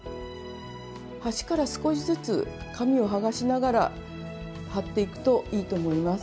端から少しずつ紙を剥がしながら貼っていくといいと思います。